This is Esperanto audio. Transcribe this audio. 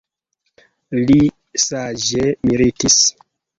Li saĝe militis.